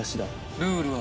ルールは？